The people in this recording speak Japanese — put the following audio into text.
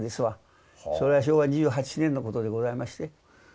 それは昭和２８年のことでございまして。